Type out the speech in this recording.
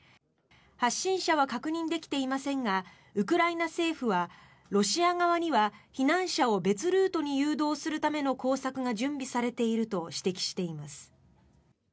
発信者は確認できていませんがウクライナ政府はロシア側には、避難者を別ルートに誘導するための工作が準備されていると指摘しています。